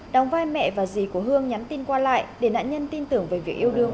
đóng vai mẹ và dì của hương nhắn tin qua lại để nạn nhân tin tưởng về việc yêu đương